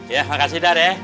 ya makasih dar ya